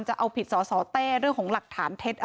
จะเอาผิดสสเต้เรื่องของหลักฐานเท็จ